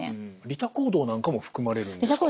利他行動なんかも含まれるんですか？